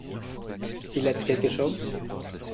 Il a dit quelque chose ?